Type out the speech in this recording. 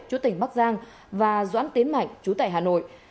trú tỉnh bắc giang và doãn tiến mạnh trú tại hà nội